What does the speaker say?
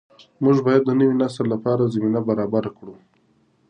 موږ باید د نوي نسل لپاره زمینه برابره کړو.